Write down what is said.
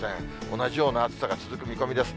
同じような暑さが続く見込みです。